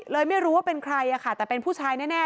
เลยไม่รู้ว่าเป็นใครแต่เป็นผู้ชายแน่